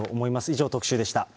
以上、特集でした。